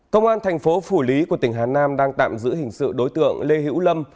công an thành phố phủ lý của tỉnh hà nam đang tạm giữ hình sự đối tượng lê hữu lâm